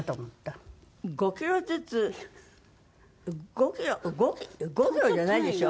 ５キロ５キロじゃないでしょ？